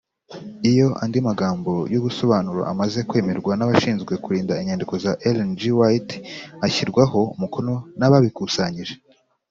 iyo andi magambo y’ubusobanuro amaze kwemerwa n’abashinzwe kurinda inyandiko za Ellen G. White, ashyirwaho umukono n’“ababikusanyije.